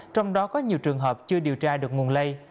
trong đó có nhiều trường hợp chưa điều tra được nguồn lây